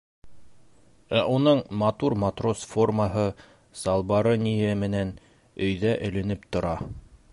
Ә уның матур матрос формаһы салбары-ние менән өйҙә эленеп тора.